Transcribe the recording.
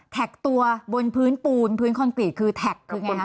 แท็กตัวบนพื้นปูนพื้นคอนกรีตคือแท็กคือไงคะ